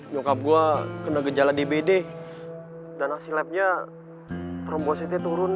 nyokap gua kena gejala dbd dan asilepnya trombositnya turun